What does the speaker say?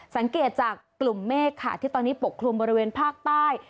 สังเกตจากกลุ่มเมฆค่ะที่ตอนนี้ปกคลุมบริเวณภาคใต้